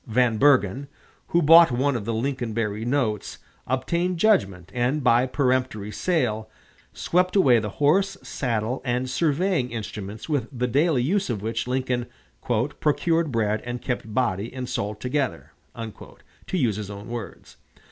Van Bergen, who bought one of the Lincoln Berry notes, obtained judgment, and, by peremptory sale, swept away the horse, saddle, and surveying instruments with the daily use of which Lincoln "procured bread and kept body and soul together," to use his own words.